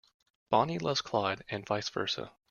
Bonnie loves Clyde and vice versa.